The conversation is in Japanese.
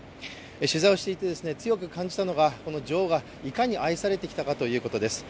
取材をしていて強く感じたのが、この女王がいかに愛されてきたかということです。